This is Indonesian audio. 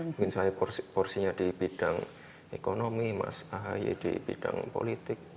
mungkin saya porsinya di bidang ekonomi mas ahaye di bidang politik